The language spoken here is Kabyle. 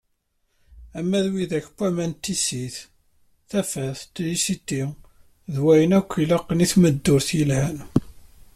Ama d wigad n waman n tissit, tafat, trisiti, d wayen akk ilaqen i tmeddurt yelhan.